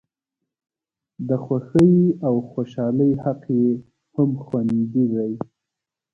د خوښۍ او خوشالۍ حق یې هم خوندي دی.